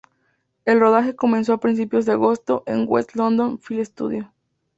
El rodaje comenzó a principios de agosto, en West London Film Studios.